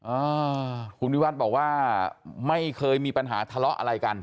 อ่าคุณวิวัฒน์บอกว่าไม่เคยมีปัญหาทะเลาะอะไรกัน